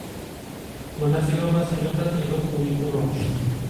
მონაწილეობას იღებდა პირველ პუნიკურ ომში.